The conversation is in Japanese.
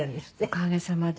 おかげさまで。